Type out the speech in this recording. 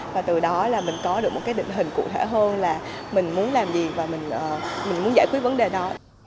và từ đó là mình có được một cái định hình cụ thể hơn là mình muốn làm gì và mình muốn giải quyết vấn đề đó